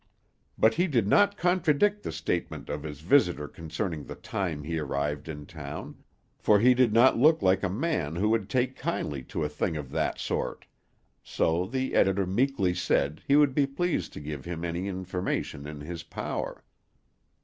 But he did not contradict the statement of his visitor concerning the time he arrived in town, for he did not look like a man who would take kindly to a thing of that sort; so the editor meekly said he would be pleased to give him any information in his power.